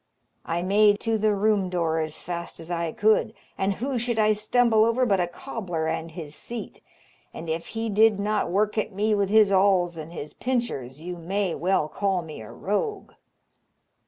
I made to the room door as fast as I could, and who should I stumble over but a cobler and his seat, and if he did not work at me with his awls and his pinchers, you may call me a rogue.